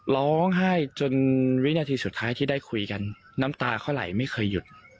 ร้องไห้จนวินาทีสุดท้ายที่ได้คุยกันน้ำตาเขาไหลไม่เคยหยุด